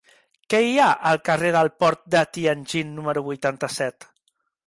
Què hi ha al carrer del Port de Tianjin número vuitanta-set?